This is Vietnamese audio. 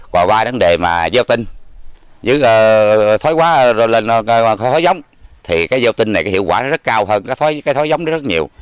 quả vai đáng đề mà giao tinh giữa thói hóa lên thói giống thì cái giao tinh này hiệu quả rất cao hơn cái thói giống đó rất nhiều